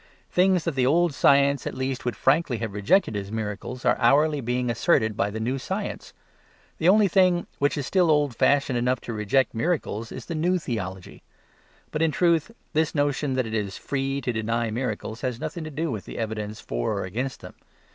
Things that the old science at least would frankly have rejected as miracles are hourly being asserted by the new science. The only thing which is still old fashioned enough to reject miracles is the New Theology. But in truth this notion that it is "free" to deny miracles has nothing to do with the evidence for or against them.